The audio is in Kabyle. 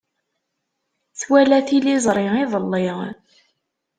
Twala tiliẓri iḍelli.